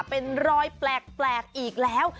เป็นรอยแปลกอีกแล้ว